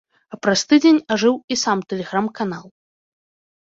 А праз тыдзень ажыў і сам тэлеграм-канал.